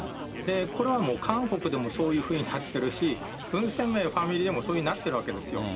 これはもう韓国でもそういうふうにたってるし、文鮮明ファミリーもなってるわけですよ。